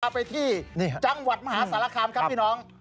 ไปที่จังหวัดมหาสารคามครับพี่น้อง